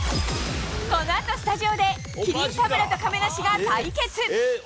このあとスタジオで、麒麟・田村と亀梨が対決。